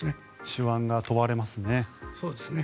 手腕が問われますね。